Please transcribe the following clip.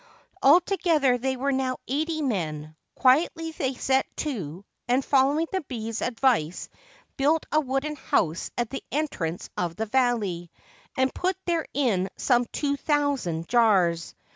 Altogether they were now eighty men, Quietly they set to, and, following the bee's advice, built a wooden house at the entrance of the valley, and pul therein some two thousand jars.